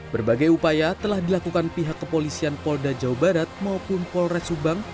berbagai upaya telah dilakukan pihak kepolisian polda jawa barat maupun polres subang